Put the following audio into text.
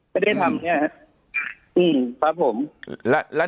ไม่ได้ทำอย่างนี้ฮะครับผม